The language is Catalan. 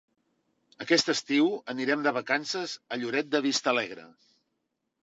Aquest estiu anirem de vacances a Lloret de Vistalegre.